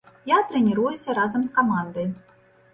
Я трэніруюся разам з камандай.